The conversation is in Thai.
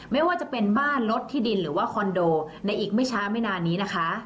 ไม่ว่าจะเป็นบ้านรถที่ดินหรือว่าคอนโดในอีกไม่ช้าไม่นานนี้นะคะ